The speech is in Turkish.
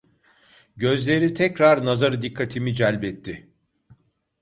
Gözleri tekrar nazarı dikkatimi celbetti.